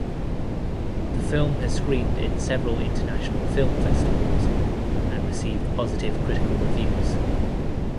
The film has screened in several international film festivals and received positive critical reviews.